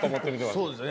そうですね。